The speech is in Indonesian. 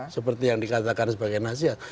seperti yang dikatakan sebagai nasihat